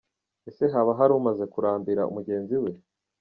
Ese haba hari umaze kurambira mugenzi we?